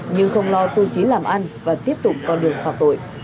nhưng không lo tư chí làm ăn và tiếp tục con đường phạt tội